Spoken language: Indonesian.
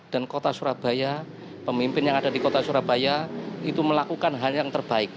dan kota surabaya pemimpin yang ada di kota surabaya itu melakukan hal yang terbaik